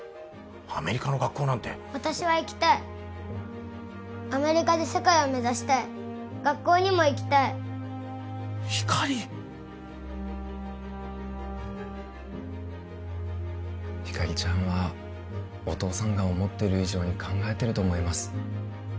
アメリカの学校なんて私は行きたいアメリカで世界を目指したい学校にも行きたいひかりひかりちゃんはお父さんが思ってる以上に考えてると思います